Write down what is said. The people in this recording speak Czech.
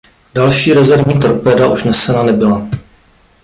Další rezervní torpéda už nesena nebyla.